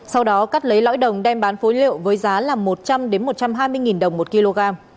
sau đó cắt lấy lõi đồng đem bán phối liệu với giá là một trăm linh một trăm hai mươi đồng một kg